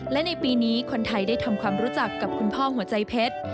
และในปีนี้คนไทยได้ทำความรู้จักกับคุณพ่อหัวใจเพชร